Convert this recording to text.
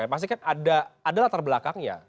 pasti kan ada latar belakangnya